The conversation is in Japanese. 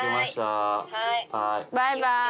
バイバイ。